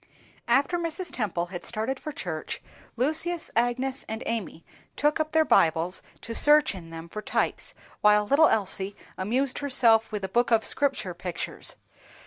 After Mrs. Temple had started for church, Lucius, Agnes and Amy took up their Bibles to search in them for types, while little Elsie amused herself with a book of Scripture pictures.